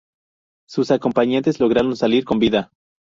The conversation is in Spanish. Sus acompañantes lograron salir con vida.